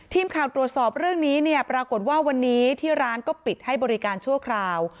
ทีมข่าวตรวจสอบเรื่องนี้เนี่ยปรากฏว่าวันนี้ที่ร้านก็ปิดให้บริการชั่วคราว